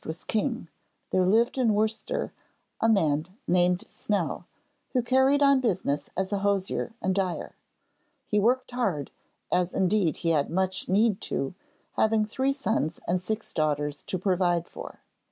was king, there lived in Worcester a man named Snell, who carried on business as a hosier and dyer. He worked hard, as indeed he had much need to do having three sons and six daughters to provide for.